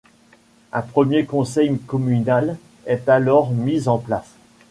Un premier conseil communal est alors mise en place.